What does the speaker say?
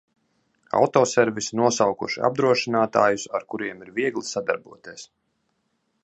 Autoservisi nosaukuši apdrošinātājus ar kuriem ir viegli sadarboties.